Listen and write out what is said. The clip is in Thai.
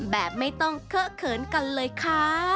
แบบไม่ต้องเคอะเขินกันเลยค่ะ